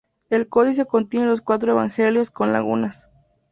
El códice contiene los cuatro Evangelios, con lagunas.